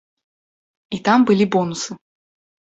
І там былі бонусы.